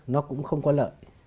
nó cũng không có lợi